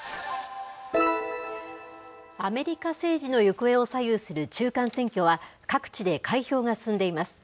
アメリカ政治の行方を左右する中間選挙は、各地で開票が進んでいます。